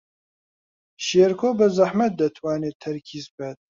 شێرکۆ بەزەحمەت دەتوانێت تەرکیز بکات.